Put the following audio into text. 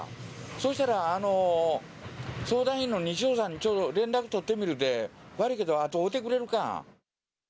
そしたら、相談員の西尾さんにちょっと連絡取ってみるで、悪いけど後を追ってくれるか。